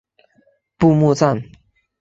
布目站。